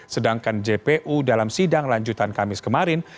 sedangkan jpu dalam sidang lanjutan kamis kemarin